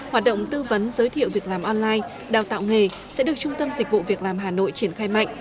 hoạt động tư vấn giới thiệu việc làm online đào tạo nghề sẽ được trung tâm dịch vụ việc làm hà nội triển khai mạnh